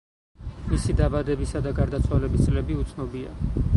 მისი დაბადებისა და გარდაცვალების წლები უცნობია.